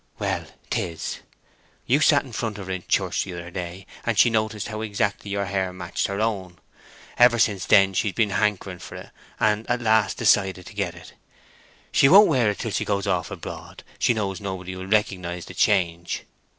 "Well—it is. You sat in front of her in church the other day, and she noticed how exactly your hair matched her own. Ever since then she's been hankering for it, and at last decided to get it. As she won't wear it till she goes off abroad, she knows nobody will recognize the change.